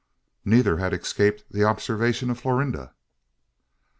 Neither had escaped the observation of Florinda.